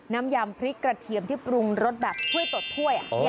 ยำพริกกระเทียมที่ปรุงรสแบบถ้วยตดถ้วย